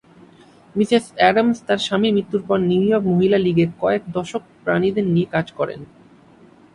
Mrs Adams তার স্বামীর মৃত্যুর পর নিউ ইয়র্ক মহিলা লিগে কয়েক দশক প্রাণীদের নিয়ে কাজ করেন।